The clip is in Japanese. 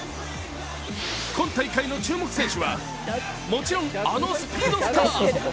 今大会の注目選手は、もちろんあのスピードスター。